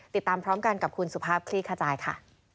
ติดตามพร้อมกันกับคุณสุภาพคลี่ขจายค่ะ